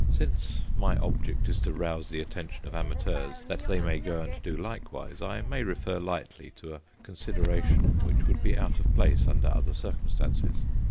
Since my object is to rouse the attention of amateurs, that they may go and do likewise, I may refer lightly to a consideration which would be out of place under other circumstances.